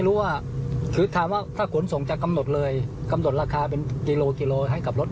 เขาตั้งราคากันเองหรือเปล่าเราก็ไม่รู้